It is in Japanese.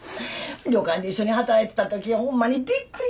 旅館で一緒に働いてた時ほんまにびっくりしたわ。